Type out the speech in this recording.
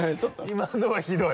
今のはひどい。